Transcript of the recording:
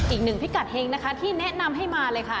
อีกหนึ่งพิกัดเฮงนะคะที่แนะนำให้มาเลยค่ะ